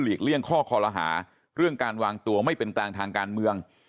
เลี่ยงข้อคอลหาเรื่องการวางตัวไม่เป็นกลางทางการเมือง